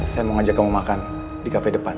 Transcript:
saya mau ngajak kamu makan di kafe depan